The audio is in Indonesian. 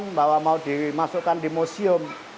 atau dari seorang yang mau dimasukkan di museum